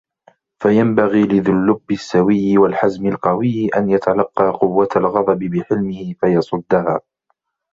فَيَنْبَغِي لِذِي اللُّبِّ السَّوِيِّ وَالْحَزْمِ الْقَوِيِّ أَنْ يَتَلَقَّى قُوَّةَ الْغَضَبِ بِحِلْمِهِ فَيَصُدَّهَا